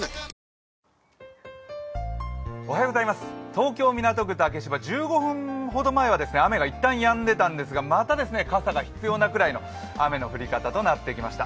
東京・港区竹芝、１５分ほど前は雨がいったんやんでいたんですがまた傘が必要なくらいの雨の降り方となってきました。